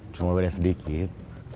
cuma bedanya sedikit